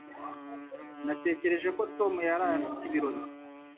Natekereje ko Tom yaraye afite ibirori.